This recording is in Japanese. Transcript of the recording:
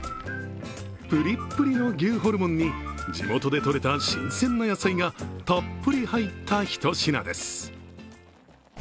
ぷりっぷりの牛ホルモンに地元でとれた新鮮な野菜がたっぷり入ったひと品です。